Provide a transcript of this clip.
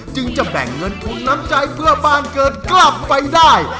จึงจะแบ่งเงินทุนน้ำใจเพื่อบ้านเกิดกลับไปได้